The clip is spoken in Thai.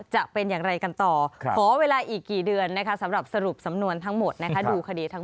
จะเป็นอื่นกันต่อขอเวลาอีกกี่เดือนแนะการสรุปสำนวนทั้งหมดนะนะที่คณีทั้ง